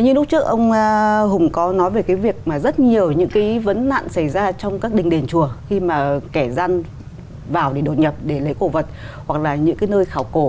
như lúc trước ông hùng có nói về cái việc mà rất nhiều những cái vấn nạn xảy ra trong các đình đền chùa khi mà kẻ gian vào để đột nhập để lấy cổ vật hoặc là những cái nơi khảo cổ